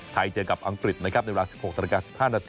ไทยเจอกับอังกฤษนะครับในเวลา๑๖๑๕น